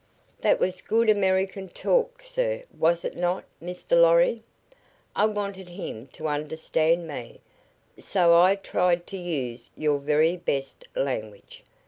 "That was good American talk, sir, was it not, Mr. Lorry? I wanted him to understand me, so I tried to use your very best language.